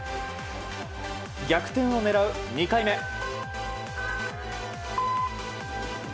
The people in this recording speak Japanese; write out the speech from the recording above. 逆転を狙う２回目。